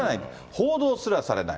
報道すらされない。